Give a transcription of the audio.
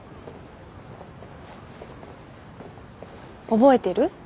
覚えてる？